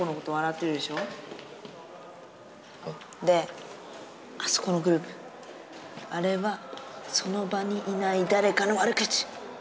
であそこのグループあれはその場にいない誰かの悪口。